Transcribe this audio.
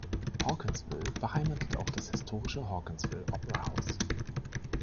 Hawkinsville beheimatet auch das historische Hawkinsville Opera House.